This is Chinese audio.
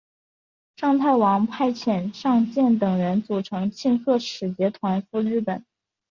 尚泰王派遣尚健等人组成庆贺使节团赴日本。